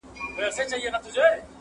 بیا به لوړه بیه واخلي په جهان کي,